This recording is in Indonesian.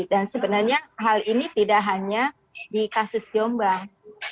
dan sebenarnya hal ini tidak hanya di kasus jombang